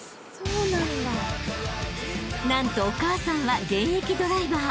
［何とお母さんは現役ドライバー］